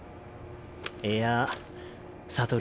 いや悟